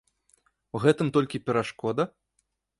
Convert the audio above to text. У гэтым толькі перашкода?